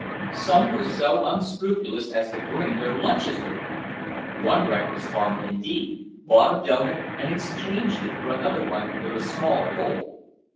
Some were so unscrupulous as to bring their lunches with them. One reckless farmer, indeed, bought a doughnut and exchanged it for another with a smaller hole.